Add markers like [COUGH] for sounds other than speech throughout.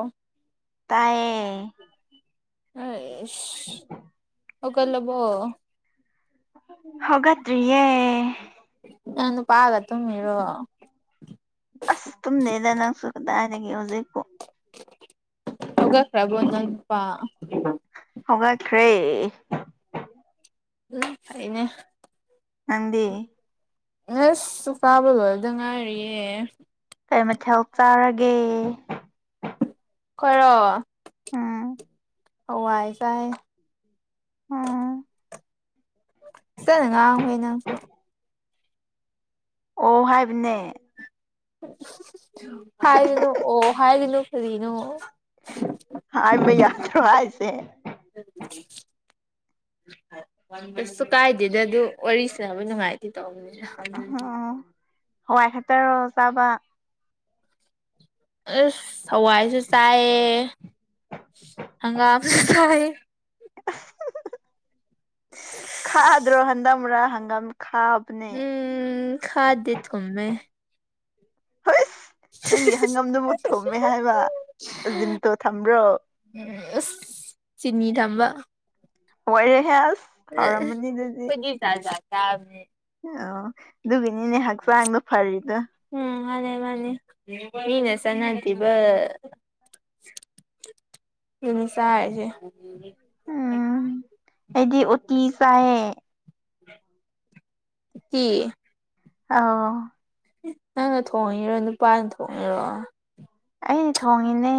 ꯑ ꯇꯌꯦ ꯑ ꯑꯣꯀ ꯂꯕꯣ ꯍꯒꯇ꯭ꯔꯤꯌꯦꯦ ꯅꯪ ꯅꯨꯄꯥꯒ ꯇꯨꯝꯃꯤꯔꯣ ꯑꯁ ꯇꯨꯝꯗꯗ ꯅꯪꯁꯨꯨꯔ ꯇꯔꯒꯤ ꯍꯧꯖꯤꯛꯀꯣ ꯈ꯭ꯔꯕꯝꯗꯄꯥ ꯍꯧꯉꯛꯈ꯭ꯔꯦ ꯎ ꯐꯅꯦ ꯉꯗꯤ ꯑꯁꯁꯨ ꯀꯥꯕꯗꯣꯗ ꯉꯥꯏꯔꯤꯌꯦ ꯀꯩ ꯃꯊꯦꯜ ꯆꯥꯔꯒꯦ ꯈꯔꯣ ꯎꯝ ꯍꯥꯏ ꯀꯥꯏ ꯎꯝ ꯆ ꯉꯥꯡ ꯍꯅ ꯑꯃꯁꯁꯨ ꯑꯣ ꯍꯥꯏꯕꯅꯦ ꯍꯥꯏꯔꯤꯅꯨ ꯑꯣ ꯍꯥꯏꯔꯤꯅꯨ ꯀꯔꯤꯅꯣ ꯍꯥꯥꯃꯦ ꯌꯥꯗ꯭ꯔꯨ ꯍꯥꯏꯁꯦ ꯑꯁꯁꯨ ꯀꯥꯏꯗꯦꯗ ꯑꯗꯨ ꯋꯥꯔꯤꯁꯤꯅꯕ ꯅꯨꯡꯉꯥꯏꯇꯦ ꯇꯧꯕꯅꯤꯗ ꯎ ꯍꯋꯥꯏ ꯈꯠꯇꯔꯣ ꯆꯥꯕ ꯑꯁ ꯍꯋꯥꯏꯁꯨ ꯆꯥꯏꯌꯦ ꯍꯪꯒꯥꯝ ꯁ ꯈꯥꯗ꯭ꯔꯣ ꯍꯟꯗꯝ꯭ꯔꯥ ꯍꯪꯒꯥꯝ ꯈꯥꯕꯅꯦ ꯎꯝ ꯈꯥꯗꯦ ꯊꯣ ꯃꯃꯦ ꯍꯨꯏꯁ ꯎꯝ ꯅꯪꯒꯤ ꯍꯪꯉꯝꯗꯨ ꯃꯨꯠ ꯊꯣꯃꯦ ꯍꯥꯏꯕ ꯑꯖꯤꯟꯇꯣ ꯊꯝꯕ꯭ꯔꯣ ꯆꯤꯅꯤꯗ ꯋꯥꯣꯏꯔꯦ ꯍꯁ ꯐꯒꯤ ꯆꯥꯖ ꯇ ꯑꯣ ꯑꯗꯨꯒꯤꯅꯤꯅꯦ ꯍꯛꯆꯥꯡꯗꯣ ꯐꯔꯤꯗꯣ ꯎꯝ ꯍ ꯃꯥꯅꯤ ꯃꯤꯅ ꯁꯅꯥꯗꯤꯤꯕ ꯑꯗꯨꯅꯤ ꯁꯥꯏꯁ ꯍꯥꯏꯗꯤ ꯎꯇ ꯆꯥꯏꯦ ꯀꯤ ꯑ ꯅꯪꯅ ꯊꯣꯡꯉꯔꯣ ꯅꯨꯄꯥꯅ ꯊꯣꯡꯉꯤꯔꯣ ꯑꯩ ꯊꯉꯅꯦ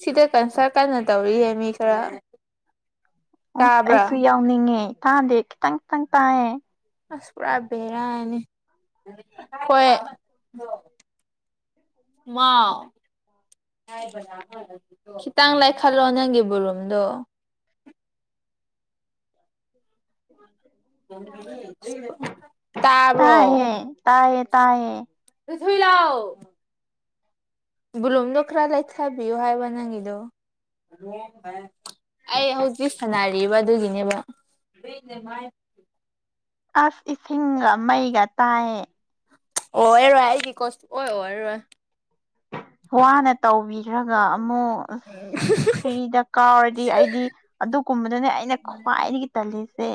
ꯁꯤꯗ ꯀꯟꯁꯔ ꯀꯟꯅ ꯇꯧꯔꯤꯌꯦ ꯃꯤ ꯈꯔ ꯑꯣꯁ ꯇꯥꯕ꯭ꯔꯥ ꯑꯩꯁꯨ ꯌꯥꯎꯅꯤꯡꯉꯦ ꯇꯥꯗꯦ ꯈꯤꯇꯪ ꯈꯤꯇꯪ ꯇꯥꯏꯌꯦ ꯑꯁ ꯄꯨꯔꯥ ꯕꯦꯔꯥꯅꯤ ꯍꯣꯏ ꯋꯥ ꯈꯤꯇꯥꯡ ꯂꯥꯏꯈꯠꯂꯣ ꯅꯪꯒꯤ ꯕꯣꯔꯨꯝꯗꯣ [INAUDIBLE] ꯎꯝ [INAUDIBLE] ꯇꯥꯕ꯭ꯔꯣ ꯇꯥꯏꯌꯦ ꯇꯥꯏꯌꯦ ꯇꯥꯏꯌꯦ ꯊꯣꯏ ꯂꯥꯎ ꯕꯕꯨꯂꯨꯝꯗꯣ ꯈꯔ ꯂꯩꯊꯕꯤꯌꯨ ꯍꯥꯏꯕ ꯅꯪꯒꯤꯗꯣ ꯑꯩ ꯍꯧꯖꯤꯛ ꯁꯥꯟꯅꯔꯤꯕ ꯑꯗꯨꯒꯤꯅꯦꯕ ꯀꯅꯦ ꯃꯥꯥꯏ ꯑꯁ ꯏꯁꯤꯡꯒ ꯃꯩꯒ ꯇꯥꯏꯌꯦ ꯑꯣꯔꯣꯏ ꯍꯥꯏꯒ ꯀꯣꯁꯤ ꯑꯣꯏ ꯑꯣꯏ ꯍꯥꯏꯔꯣꯏ ꯋꯥꯅ ꯇꯧꯕꯤꯔꯒ ꯑꯃꯨꯛ ꯐ꯭ꯔꯤꯗ ꯀꯥꯎꯔꯗꯤ ꯑꯩꯗꯤ ꯑꯗꯨꯒꯨꯝꯕꯗꯨꯅꯦ ꯑꯩꯅ ꯈ꯭ꯋꯥꯏꯗꯒꯤ ꯇꯜꯂꯤꯁꯦ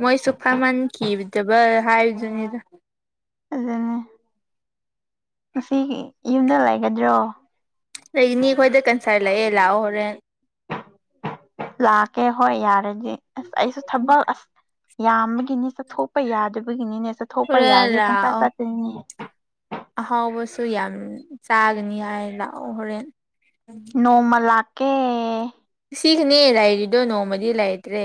ꯃꯣꯏ ꯆꯨꯐꯥ ꯃꯥꯟ ꯀꯗꯕꯥ ꯍꯥꯏꯖꯅꯤꯗ ꯑꯗꯨꯅꯦ ꯉꯁꯤ ꯌꯨꯝꯗ ꯂꯩꯒꯗ꯭ꯔꯣ ꯉꯥꯏ ꯂꯥꯛꯑꯦ ꯂꯥꯛꯑꯣ ꯍꯣꯔꯦꯟ ꯂꯥꯛꯀꯦ ꯍꯣꯏ ꯌꯥꯔꯗꯤ ꯑꯁ ꯑꯩꯁꯨ ꯊꯕꯛ ꯑꯁ ꯌꯥꯝꯕꯒꯤꯅꯤ ꯆꯠꯊꯣꯛꯄ ꯌꯥꯗꯕꯒꯤꯅꯤꯅꯦ ꯆꯠꯊꯣꯛꯄ ꯍꯣꯔꯦꯟ ꯌꯥꯔꯦ ꯄꯪꯆꯆꯥ ꯂꯥꯛꯑꯣ ꯆꯠꯇꯔꯤꯅꯦ ꯑꯍꯥꯎꯕꯁꯨ ꯌꯥꯝ ꯆꯥꯒꯅꯤ ꯍꯥꯏꯅ ꯍꯣꯔꯦꯟ ꯅꯣꯡꯃ ꯂꯥꯀꯦ ꯁꯤꯒꯤꯅꯦ ꯂꯩꯔꯤꯗꯣ ꯅꯣꯡꯃꯗꯤ ꯂꯩꯇ꯭ꯔꯦ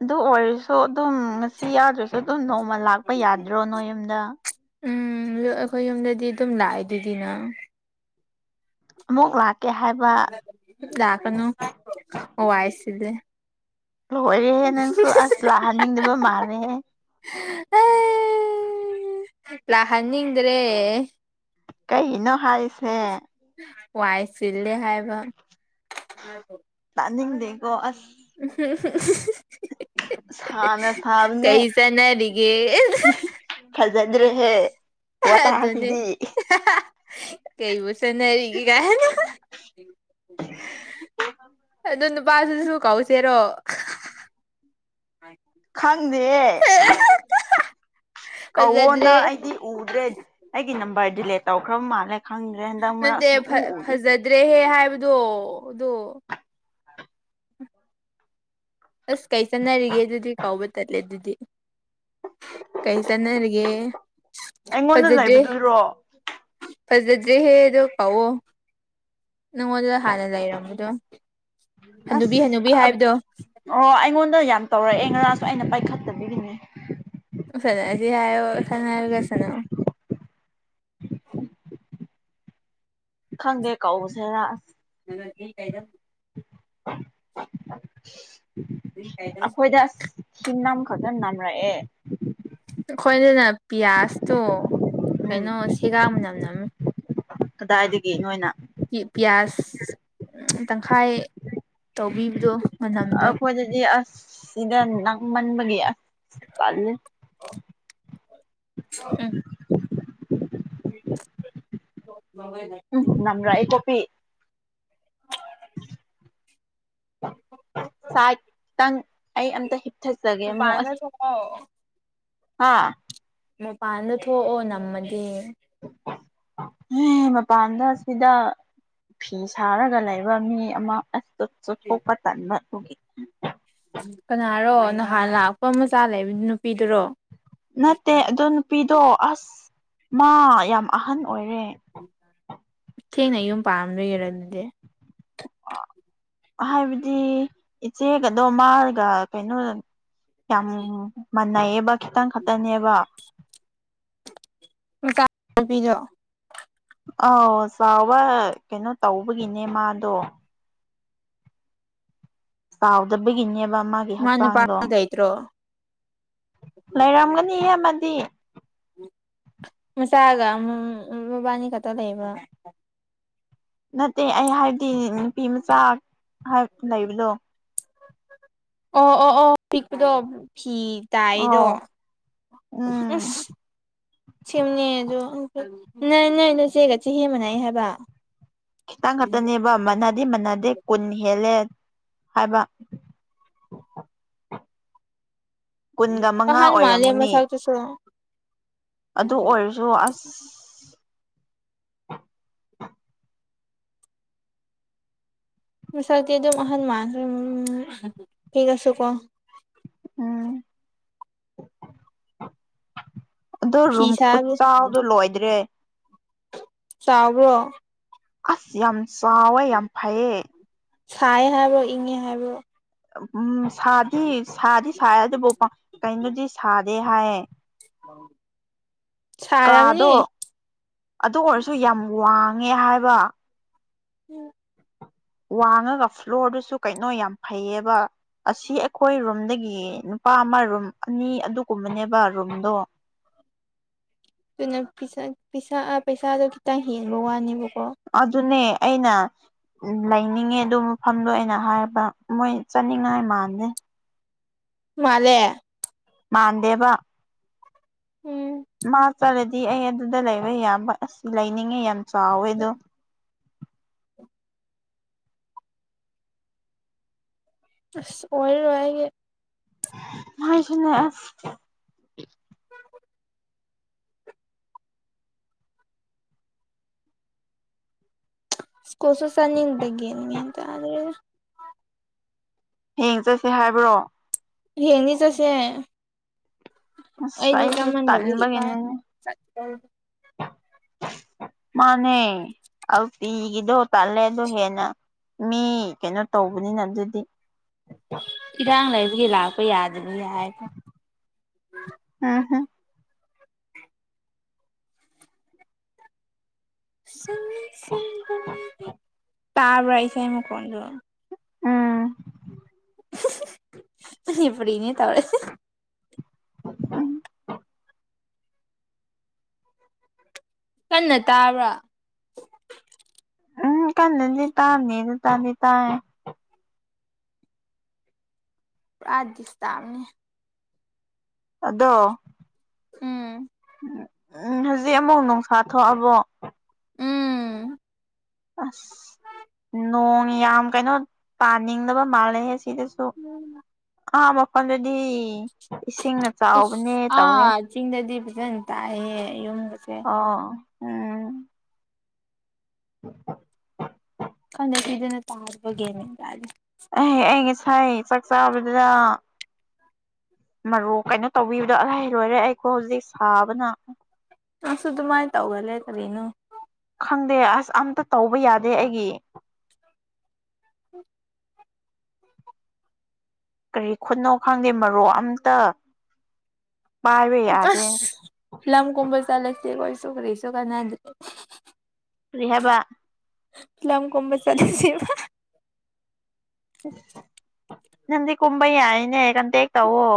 ꯑꯗꯨ ꯑꯣꯏꯔꯁꯨ ꯑꯗꯨꯝ ꯉꯁꯤ ꯌꯥꯗ꯭ꯔꯁꯨ ꯑꯗꯨꯝ ꯅ ꯃ ꯂꯥꯛꯄ ꯌꯥꯗ꯭ꯔꯣ ꯅꯣꯏ ꯌꯨꯝꯗ ꯎꯝ ꯑꯩꯈꯣꯏ ꯌꯨꯝꯗꯗꯤ ꯑꯗꯨꯝ ꯂꯥꯛꯑꯦ ꯑꯗꯨꯗꯤꯅ ꯃꯒ ꯂꯥꯛ ꯗꯀꯅꯨ ꯑꯣ ꯋꯥꯥꯏꯁꯤ ꯂꯣꯏꯔꯦꯍꯦ ꯅꯪꯁꯨ ꯑꯁ ꯂꯥꯛꯍꯟꯅꯤꯡꯗꯕ ꯃꯥꯜꯂꯦꯍꯦ ꯑ ꯂꯅꯤꯗ꯭ꯔꯦ ꯀꯩꯅꯣ ꯍꯥꯏ ꯋꯥꯏꯁꯤꯜꯂꯦ ꯍꯥꯏꯕ ꯄ꯭ꯂꯅꯤꯡꯗꯀꯣ ꯑꯁ ꯁꯥꯅ ꯎ ꯁꯥꯕꯅꯦ ꯀꯩꯁꯥꯅꯔꯤꯒꯦ ꯗ꯭ꯔꯦ ꯍꯦ ꯑꯗꯨꯅꯤ ꯀꯩ ꯁ ꯆꯟꯅꯔꯤ ꯀꯥꯏ ꯑꯗꯨ ꯄꯥꯁꯨ ꯁꯨ ꯀꯥꯎꯁꯦꯔꯣ ꯗꯤ ꯀꯧꯋꯣꯅ ꯐꯖꯗ꯭ꯔꯦ ꯑꯩꯗꯤ ꯎꯗ꯭ꯔꯦ ꯑꯩꯒꯤ ꯅꯝꯕꯔ ꯗꯤꯂꯦꯠ ꯇꯧꯈ꯭ꯔꯕ ꯃꯥꯜꯂꯦ ꯈꯪꯗ꯭ꯔꯦ ꯍꯟꯗꯛ ꯃꯔꯛ ꯅꯠꯇꯦ ꯁꯨꯡꯎ ꯎꯗꯦ ꯐꯖꯗ꯭ꯔꯦꯍꯦ ꯍꯥꯏꯕꯗꯣ ꯑ ꯑꯗꯨꯗꯣ ꯑꯁ ꯀꯩ ꯆꯠꯅꯔꯤꯒꯦ ꯑꯗꯨꯗꯤ ꯀꯥꯎꯕ ꯇꯠꯂꯦ ꯑꯗꯨꯗꯤ ꯀꯩ ꯆꯅꯔꯒꯦ ꯑꯩꯉꯣꯟꯗ ꯐꯖꯠ ꯗꯦ ꯂꯩꯕꯗꯨꯔꯣ ꯐꯖꯗ꯭ꯔꯦꯍꯦ ꯑꯗꯣ ꯀꯥꯎꯑꯣ ꯅꯪꯉꯣꯟꯗ ꯍꯥꯟꯅ ꯂꯩꯔꯝꯕꯗꯣ ꯑꯁ ꯍꯅꯨꯕꯤ ꯍꯅꯨꯕꯤ ꯍꯥꯏꯕꯗꯣ ꯑꯣ ꯑꯩꯉꯣꯟꯗ ꯌꯥꯝ ꯇꯧꯔꯛꯑꯦ ꯉꯔꯥꯁꯨ ꯑꯩꯅ ꯄꯥꯏꯈꯠꯇꯕꯒꯤꯅꯦ ꯁ ꯁꯅꯒ ꯁꯅ ꯈꯪꯗꯦ ꯀꯁꯦ ꯍꯥꯏꯔ ꯑꯁ ꯅ ꯀ ꯀꯥꯏꯗ ꯑꯩꯈꯣꯏꯗ ꯍꯤꯟꯅꯥꯝꯈꯛꯇ ꯅꯝꯕ꯭ꯔꯌꯦꯦ ꯑꯩꯈꯣꯏꯗꯅ ꯄꯤꯌꯥꯁꯇꯣ ꯎꯝ ꯀꯩꯅꯣ ꯁꯦꯒꯥꯡ ꯅꯝ ꯅꯝꯃꯤ ꯀꯗꯥꯏꯗꯒꯤ ꯅꯣꯏꯅ ꯄꯤꯌꯥꯁ ꯇꯪꯈꯥꯏ ꯇꯧꯕꯤꯕꯗꯣ ꯃꯅꯝꯗꯣ ꯑꯩꯈꯣꯏꯗꯗꯤ ꯑꯁ ꯁꯤꯗ ꯅꯪꯃꯟꯕꯒꯤ ꯑꯁ ꯄꯜꯂꯤ ꯎꯝ ꯎꯝ ꯎꯝ ꯅꯪ꯭ꯔ ꯏꯇꯣꯄꯤ ꯁꯥꯏꯠꯇꯪ ꯑꯩ ꯑꯝꯇ ꯍꯤꯞꯊꯆꯒꯦ ꯑꯃꯨꯛ ꯃꯄꯥꯟꯗ ꯑꯁ ꯊꯣꯛꯑꯣ ꯑꯥ ꯃꯄꯥꯟꯗ ꯊꯣꯛꯑꯣ ꯅꯝꯃꯗꯤ ꯃꯄꯥꯟꯗ ꯁꯤꯗ ꯐꯤ ꯁꯥꯔꯒ ꯂꯩꯕ ꯃꯤ ꯑꯃ ꯊꯣꯄ ꯇꯅ ꯇꯒꯤ ꯀꯅꯥꯔꯣ ꯅꯍꯥꯟ ꯂꯥꯛꯄ ꯃꯆꯥ ꯂꯩꯕ ꯅꯨꯄꯤꯗꯨꯔꯣ ꯅꯠꯇꯦ ꯑ ꯅꯨꯄꯤꯗꯣ ꯑꯁ ꯃꯥ ꯌꯥꯝ ꯑꯍꯟ ꯑꯣꯏꯔꯦ ꯊꯦꯡꯅ ꯌꯨꯝ ꯄꯥꯝ ꯂꯩꯣꯏꯔꯔ ꯑꯗꯨꯗꯤ ꯍꯥꯏꯕꯗꯤ ꯏꯆꯦꯒꯗꯣ ꯃꯥꯔꯒ ꯀꯩꯅꯣ ꯌꯥꯝ ꯃꯥꯟꯅꯩꯌꯦꯕ ꯈꯤꯇꯪ ꯈꯛꯇꯅꯦꯕ ꯕꯤꯔꯣꯑꯣ ꯑꯥꯎ ꯆꯥꯎꯕ ꯀꯩꯅꯣ ꯇꯧꯕꯒꯤꯅꯦ ꯃꯥꯗꯣ ꯆꯥꯎꯗꯕꯒꯤꯅꯦꯕ ꯃꯥꯒꯤ ꯃꯥ ꯅꯨꯄꯥ ꯍꯛꯆꯥꯡꯗꯣ ꯂꯩꯇ꯭ꯔꯣ ꯂꯩꯔꯝꯒꯅꯤ ꯑꯃꯗꯤ ꯃꯁꯥꯒ ꯑꯃ ꯔꯕꯥꯅꯤ ꯀꯇ ꯂꯩꯕ ꯅꯠꯇꯦ ꯑꯩ ꯍꯥꯏꯕꯗꯤ ꯅꯨꯄꯤ ꯃꯆꯥ ꯂꯩꯕꯗꯣ ꯑꯣ ꯑꯣ ꯑꯣ ꯄꯗ ꯐꯤ ꯇꯥꯏꯗꯣ ꯑꯧ ꯎ ꯎꯝ ꯁꯦꯝꯅꯦ ꯑꯗꯣ ꯅꯣꯏ ꯅꯣꯏ ꯅꯆꯦꯒ ꯆꯦ ꯍꯦꯕꯅꯥꯏ ꯍꯥꯏꯕ ꯈꯤꯇꯪ ꯈꯥꯛꯛꯇꯅꯦꯕ ꯃꯅꯗꯤꯦ ꯃꯥꯟꯅꯗꯦ ꯀꯨꯟ ꯍꯦꯜꯂꯦ ꯍꯥꯏꯕ ꯀꯨꯟꯒ ꯑ ꯃꯉꯥ ꯍꯥꯟ ꯃꯥꯅꯤ ꯃ ꯑꯣꯏꯔꯝꯃꯅꯤ ꯆꯥꯎ ꯇ ꯁ ꯑꯗꯨ ꯑꯣꯏꯔꯁꯨ ꯑꯁ ꯁꯔꯇ ꯑꯗꯨꯝ ꯑꯍꯟ ꯃꯥ ꯎ ꯊꯁ ꯀꯣ ꯎꯝ ꯑꯗꯣ ꯐꯤ ꯔꯨꯝ ꯈꯨꯠ ꯁꯥꯕ ꯆꯗꯣ ꯂꯣꯏꯗ꯭ꯔꯦ ꯆꯥꯎꯕ꯭ꯔꯣ ꯑꯁ ꯌꯥꯝ ꯆꯥꯎꯋꯦ ꯌꯥꯝ ꯐꯩꯌꯦ ꯁꯌꯦ ꯍꯥꯏꯕ ꯏꯉ ꯍꯥꯏꯕ ꯎꯝ ꯁꯥꯗꯤ ꯁꯥꯗꯤ ꯁꯥꯥꯏ ꯑꯗꯨꯕꯨ ꯀꯩꯅꯣꯗꯤ ꯁꯥꯗꯦ ꯍꯥꯏꯌꯦ ꯁꯔꯝꯅꯤ ꯀꯥꯗꯣ ꯑꯗꯨ ꯑꯣꯏꯔꯁꯨ ꯌꯥꯝ ꯋꯥꯡꯉꯦ ꯍꯥꯏꯕ ꯎꯝ ꯋꯥꯡꯉꯒ ꯐ꯭ꯂꯣꯔꯗꯨꯁꯨ ꯀꯩꯅꯣ ꯌꯥꯝ ꯐꯩꯌꯦꯕ ꯑꯁꯤ ꯑꯩꯈꯣꯏ ꯔꯨꯝꯗꯒꯤ ꯅꯨꯄꯥ ꯑꯃ ꯔꯨꯝ ꯑꯅꯤ ꯑꯗꯨꯒꯨꯝꯕꯅꯦꯕ ꯔꯨꯝꯗꯣ ꯑꯗꯨꯅꯥ ꯄꯩꯁꯥꯗꯣ ꯈꯤꯇꯪ ꯍꯦꯟꯕ ꯋꯥꯅꯦꯕꯀ ꯑꯗꯨꯅꯦ ꯑꯩꯅ ꯎ ꯂꯩꯅꯤꯡꯉꯦ ꯑꯗꯨ ꯃꯐꯝꯗꯣ ꯑꯩꯅ ꯍꯥꯏꯕ ꯃꯣꯏ ꯆꯠꯅꯤꯡꯉꯥꯏ ꯃꯥꯟꯂꯦ ꯃꯥꯂꯦ ꯃꯥꯥꯟꯗꯦꯕ ꯎꯝ ꯁꯤ ꯑꯩ ꯑꯗꯨꯗ ꯂꯩꯕ ꯌꯥꯕ ꯑꯁꯤ ꯂꯩꯅꯤꯡꯉꯦ ꯌꯥꯝ ꯆꯥꯎꯋꯦ ꯑꯗꯨꯣ ꯑ ꯑꯣꯏꯔ ꯑꯣꯏꯒꯦ ꯉꯁꯅ ꯀꯁꯨ ꯁꯅꯤꯟꯗꯒ ꯌꯦꯦ꯭ꯔꯦ ꯍꯡ ꯆꯠꯁꯤ ꯍꯥꯏꯕ꯭ꯔꯣ ꯍꯦꯅꯤ ꯆ ꯑꯁꯦ ꯑꯁ ꯑꯩꯗꯤ ꯑꯩꯁꯦ ꯀꯃꯗꯕꯤ ꯏ ꯀ ꯇꯟꯕꯒꯤꯅꯤꯅꯦ ꯃꯥꯅꯦ ꯍꯧ ꯇꯤꯒꯗꯣ ꯇꯂꯦ ꯑꯗꯨꯣ ꯍꯦꯅ ꯃꯤ ꯀꯩꯅꯣ ꯇꯧꯕꯅꯤꯅ ꯑꯗꯨꯗꯤ ꯌꯥꯗ ꯅ ꯎꯝ ꯍꯨꯝ ꯇꯕ ꯑꯩꯁ ꯑꯃꯨ ꯀꯗꯨ ꯎꯝ ꯏꯄꯅꯦ ꯇꯧꯔꯦ ꯎꯝ ꯀꯟꯅ ꯇꯥꯕ꯭ꯔꯥ ꯎꯝ ꯀꯅꯗꯤ ꯇꯅꯤꯗꯤ ꯇꯅꯤ ꯇꯌꯦ ꯄꯨꯔꯥꯗꯤꯁ ꯇ ꯑꯃꯅꯤꯅꯤ ꯑꯗꯣ ꯎꯝ ꯎꯝ ꯎꯝ ꯍꯧꯖꯤꯛ ꯑꯃꯨꯛ ꯅꯨꯡꯁꯥ ꯊꯣꯛꯑꯕꯣ ꯎꯝ ꯑꯁ ꯅꯣꯡ ꯌꯥꯝ ꯀꯩꯅꯣ ꯄꯥꯅꯤꯡꯗꯕ ꯃꯥꯜꯂꯦ ꯍꯥꯏꯁ ꯁꯤꯗꯁꯨ ꯑꯥ ꯃꯈꯣꯟꯗꯗꯤ ꯑꯥ ꯆꯤꯡꯗꯗꯤ ꯐꯖꯟ ꯇꯑꯌꯦꯦ ꯌꯨꯝ ꯑ [UNINTELLIGIBLE] ꯀꯟꯗꯀꯤꯤꯗꯨꯅ ꯇꯥꯔꯨꯕꯒꯦꯝꯃꯦ ꯀꯜꯂꯤꯦ ꯆꯛꯁꯕꯗꯅ ꯃꯔꯣꯛ ꯀꯩꯅꯣ ꯇꯧꯕꯤꯕꯗꯣ ꯑꯍꯩ ꯂꯣꯏꯔꯦ ꯑꯩꯈꯣ ꯍꯧꯖꯤꯛ ꯁꯥꯕꯅ ꯑꯁꯨ ꯑꯗꯨꯃꯥꯏꯅ ꯇꯧꯒꯂꯦ ꯀꯔꯤꯅꯣ ꯈꯪꯗꯦ ꯑꯁ ꯑꯝꯇ ꯇꯧꯕ ꯌꯥꯗꯦ ꯑꯩꯒꯤ [UNINTELLIGIBLE] ꯀꯔꯤ ꯈꯨꯠꯅꯣ ꯈꯪꯗꯦ ꯃꯔꯣꯛ ꯑꯝꯇ ꯄꯥꯏꯕ ꯌꯥꯗꯦ ꯂꯝ ꯀꯝꯕꯜ ꯆꯂꯁꯤꯦꯒꯁꯨꯈ꯭ꯔꯔꯤꯁꯨ ꯀꯅꯥꯗ꯭ꯔꯦ ꯔꯤꯍꯕ ꯏ ꯂ ꯑꯃ ꯀꯣꯝꯕ ꯆꯂꯁꯤꯕ ꯅꯗꯤ ꯀꯨꯝꯕꯩ ꯌꯥꯏꯅꯦ ꯀꯟꯇꯦꯛ ꯇꯧꯋ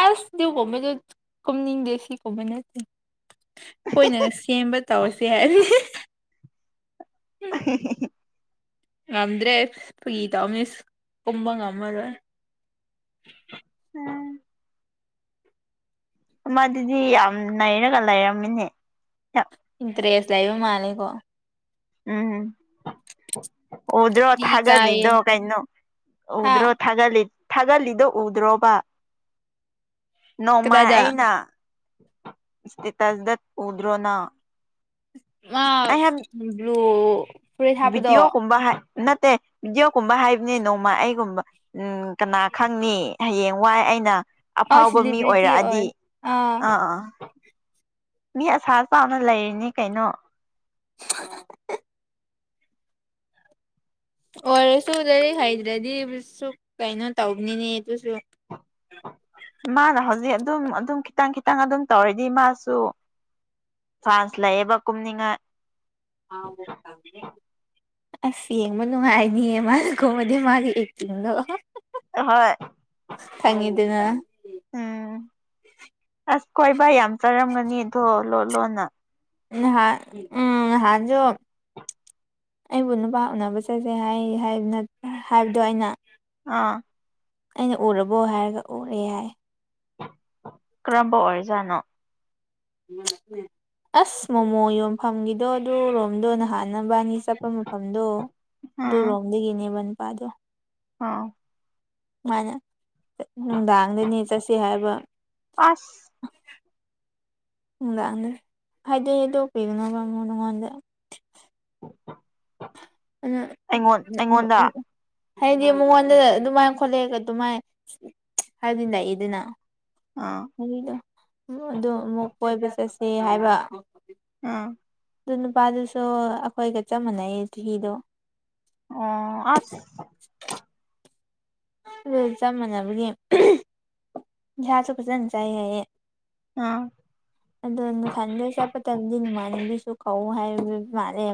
ꯑꯁ ꯊ ꯀꯣꯃꯦꯗ ꯀꯃꯅꯤ ꯗꯦꯁꯤ ꯀꯣꯃꯅꯠꯇ ꯑꯩꯈꯣꯏꯅ ꯁꯦꯝꯕ ꯇꯧꯔꯁꯦ ꯍꯥꯏꯕꯗꯤ ꯑꯍꯦꯍꯦꯍꯦ ꯉꯝꯗ꯭ꯔꯦ ꯐꯒꯤ ꯇ ꯃꯤꯁ ꯀꯨꯝꯕ ꯉꯝꯃꯔꯣꯏ ꯎꯝ ꯃꯗꯨꯗꯤ ꯌꯥꯝ ꯅꯩꯔꯒ ꯂꯩꯔꯝꯃꯤꯅꯦ ꯇ꯭ꯔꯦꯁ ꯂꯩꯕ ꯃꯥꯂꯦꯀꯣ ꯎꯝ ꯎꯗ꯭ꯔꯣ ꯗꯤ ꯏꯀꯥꯏꯌꯦ ꯊꯒꯂꯗꯣ ꯀꯩꯅꯩꯅꯣ ꯍꯥ ꯎꯗ꯭ꯔꯣ ꯊꯒꯂ ꯊꯥꯒꯠꯂꯤꯗꯣ ꯎꯗ꯭ꯔꯣꯕ ꯅꯣꯡꯃ ꯀꯗꯥꯏꯗ ꯑꯩꯅ ꯏꯁꯇꯤꯇꯥꯖꯗ ꯎꯗ꯭ꯔꯣꯅ ꯑ ꯏ꯭ꯂ ꯕꯤꯗꯤꯑꯣ ꯀꯨꯝꯕꯥ ꯍꯥꯏꯦ ꯅꯠꯇꯦ ꯕꯤꯗꯤꯑꯣꯒꯨꯝꯕ ꯍꯥꯏꯕꯅꯤ ꯅꯣꯡꯃ ꯑꯩꯒꯨꯝꯕ ꯎꯝ ꯀꯅꯥ ꯈꯪꯅꯤ ꯍꯌꯦꯡ ꯋꯥꯏ ꯑꯩꯅ ꯑꯥ ꯑꯐꯥꯎꯕ ꯃꯤ ꯁꯦꯂꯤꯕ꯭ꯔꯤꯇꯤ ꯑꯣꯏ ꯑꯣꯏꯔꯛꯑꯗꯤ ꯑꯥ ꯑꯥ ꯃꯤ ꯑꯁꯥ ꯆꯥꯎꯅ ꯂꯩꯔꯤꯅꯤ ꯀꯩꯅꯣ ꯍ ꯑꯣꯏꯔꯁꯨ ꯂꯥꯏꯔꯤꯛ ꯍꯩꯗ꯭ꯔꯗꯤ ꯁꯨ ꯀꯩꯅꯣ ꯇꯧꯕꯅꯤꯅꯦ ꯑꯗꯨꯁꯨ ꯃꯥꯅ ꯍꯧꯖꯤꯛ ꯑꯗꯨꯝ ꯑꯗꯨꯝ ꯈꯤꯇꯪ ꯈꯤꯇꯪ ꯑꯗꯨꯝ ꯇꯧꯔꯗꯤ ꯃꯥꯁꯨ ꯐ꯭ꯔꯥꯟꯁꯂꯑꯕ ꯀꯨꯝꯅꯤꯉ ꯑꯦ ꯑꯁ ꯌꯦꯡꯕ ꯅꯨꯡꯉꯥꯏꯅꯤꯌꯦ ꯃꯥꯅ ꯀꯣꯃꯗꯤ ꯃꯥꯒꯤ ꯑꯦꯛꯇꯤꯡꯗꯣ ꯍꯣꯏ ꯊꯪꯉꯤꯗꯅ ꯎꯝ ꯑꯁ ꯀꯣꯏꯕ ꯌꯥꯝ ꯆꯥꯔꯝꯒꯅꯤꯗꯣ ꯂꯣ ꯂꯣꯟꯅ ꯎ ꯍꯥ ꯎꯝ ꯍꯥꯏꯖ ꯑꯩꯕꯨ ꯅꯨꯄꯥ ꯎꯅꯕ ꯆꯠꯁꯦ ꯍꯥꯏ ꯍꯥꯏꯕꯗꯣ ꯑꯩꯅ ꯑꯥ ꯑꯩꯅ ꯎꯔꯕꯣ ꯍꯥꯏꯔꯒ ꯎꯔꯦ ꯌꯥꯏ ꯀ꯭ꯔꯕ ꯑꯣꯏꯔꯖꯅꯣ ꯑꯁ ꯃꯣꯃꯣ ꯌꯣꯟꯐꯝꯒꯤꯗꯣ ꯑꯗꯨ ꯔꯣꯝꯗꯣ ꯅꯍꯥꯟꯅꯤ ꯅꯕꯥꯅꯤ ꯆꯠꯄ ꯃꯐꯝꯗꯣ ꯑꯗꯨꯔꯣꯝꯗꯒꯤꯅꯦꯕ ꯅꯨꯄꯥꯗꯣ ꯑꯥꯎ ꯃꯥꯅ ꯅꯨꯪꯗꯥꯪꯗꯅꯦ ꯆꯠꯁꯦ ꯍꯥꯏꯕ ꯑꯁ ꯅꯨꯪꯗꯥꯪꯗ ꯍꯥꯏꯗꯤ ꯑꯩꯗꯣ ꯀꯩꯗꯧꯅꯕꯅꯥ ꯃꯉꯣꯟꯗ [INAUDIBLE] ꯑꯩꯉꯣꯟ [INAUDIBLE] ꯑꯩꯉꯣꯟꯗ [INAUDIBLE] ꯍꯥꯏꯗꯤ ꯃꯉꯣꯟꯗ ꯑꯗꯨꯃꯥꯏꯅ ꯈꯣꯠꯂꯛꯑꯒ ꯑꯗꯨꯃꯥꯏꯅ ꯍꯥꯏꯗꯤ ꯂꯥꯛꯏꯗꯅ ꯑꯥ ꯗꯣ ꯑꯗꯨ ꯑꯃꯨꯛ ꯀꯣꯏꯕ ꯆꯠꯁꯤ ꯍꯥꯏꯕ ꯑꯥ ꯑꯗꯨ ꯅꯨꯄꯥꯗꯨꯁꯨ ꯑꯩꯈꯣꯏꯒ ꯆꯞ ꯃꯥꯟꯅꯩ ꯆꯍꯤꯗꯣ ꯑꯣ ꯑꯁ ꯑꯗꯨ ꯆꯞ ꯃꯥꯟꯅꯕꯒꯤ ꯏꯟꯁꯥꯁꯨ ꯐꯖꯅ ꯆꯥꯏ ꯍꯥꯏꯌꯦꯦ ꯑꯥ ꯑꯗꯨꯗ ꯅ ꯊꯗꯗꯁꯄ ꯇꯗꯅꯤ ꯃꯥ ꯑꯗꯨꯨ ꯀꯧꯎ ꯍꯥꯏꯕ ꯃꯥꯜꯂꯦ